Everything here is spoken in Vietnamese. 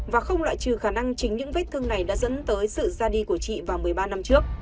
và không loại trừ khả năng chính những vết thương này đã dẫn tới sự ra đi của chị vào một mươi ba năm trước